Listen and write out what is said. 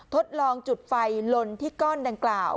ทดลองจุดไฟลนที่ก้อนดังกล่าว